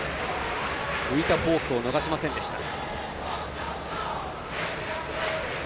浮いたフォークを逃しませんでした。